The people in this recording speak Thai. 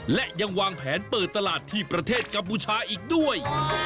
และยังวางแผนเปิดตลาดที่ประเทศกัมพูชาอีกด้วย